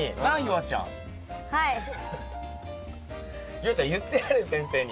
夕空ちゃん言ってやれ先生に。